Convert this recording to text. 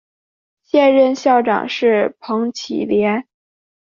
现任校长是彭绮莲。